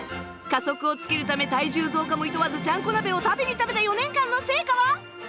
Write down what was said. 加速をつけるため体重増加もいとわずちゃんこ鍋を食べに食べた４年間の成果は？